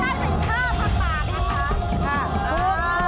ถูกถูกถูกถูก